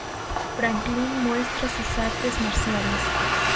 Franklin muestra sus artes marciales.